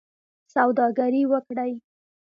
سوداګري وکړئ